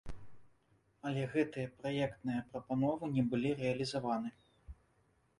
Але гэтыя праектныя прапановы не былі рэалізаваны.